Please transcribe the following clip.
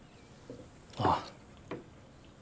ああ。